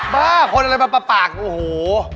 บ้าคนอะไรปากโอ้โห